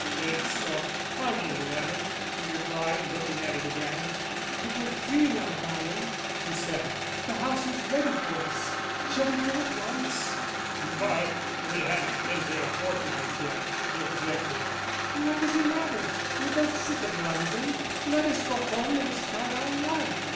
"It's a funny letter," he replied, looking at it again. "But we're free now, darling," she said. "The house is ready for us; shall we go at once?" "But we haven't been here a fortnight yet," he objected. "What does it matter? We're both sick of London; let us go home and start our life.